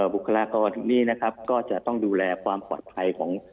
บุคลากรตรงนี้นะครับก็จะต้องดูแลความปลอดภัยของ